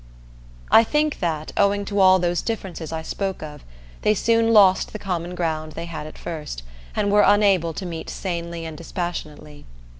I think that, owing to all those differences I spoke of, they soon lost the common ground they had at first, and were unable to meet sanely and dispassionately.